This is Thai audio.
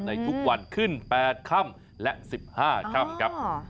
ในทุกวันขึ้น๘ค่ำและ๑๕ค่ำครับ